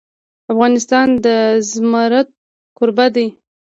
افغانستان د زمرد کوربه دی.